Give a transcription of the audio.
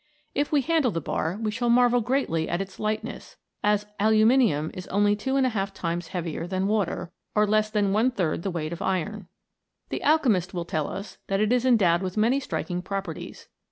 If we handle the bar we shall marvel greatly at its lightness, as aluminium is only two and a half times heavier than water, or less than one third the weight of iron. The alchemist will tell us that it is endowed with many striking properties.